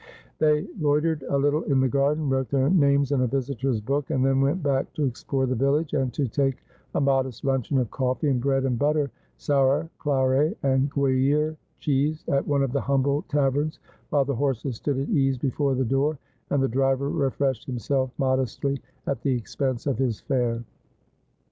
They loitered a little in the garden, wrote their names in a visitors' book, and then went back to explore the village, and to take a modest luncheon of coffee and bread and butter, sour claret, and Gruyere cheese at one of the humble taverns, while the horses stood at ease before the door, and the driver refreshed himself modestly at the expense of his fare.